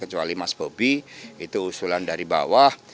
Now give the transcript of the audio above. kecuali mas bobi itu usulan dari bawah